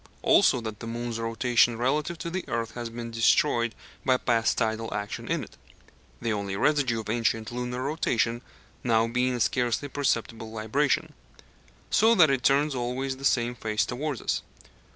Also that the moon's rotation relative to the earth has been destroyed by past tidal action in it (the only residue of ancient lunar rotation now being a scarcely perceptible libration), so that it turns always the same face towards us.